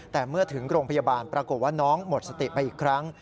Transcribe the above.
แต่เมื่อถึงโรงพยาบาลปรากฏว่าน้องหมดสติไปอีกครั้ง